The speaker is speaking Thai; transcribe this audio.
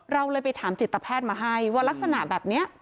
เราเลยไปถามจิตแพทย์มาให้ว่ารักษณะแบบนี้